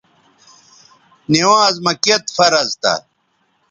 نِوانز مہ کِت فرض تھا